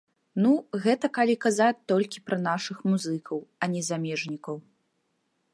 Ну, гэта калі казаць толькі пра нашых музыкаў, а не замежнікаў.